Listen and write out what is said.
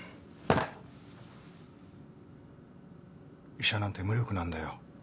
医者なんて無力なんだよ。